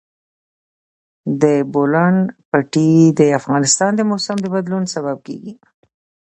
د بولان پټي د افغانستان د موسم د بدلون سبب کېږي.